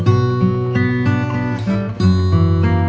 terima kasih ya mas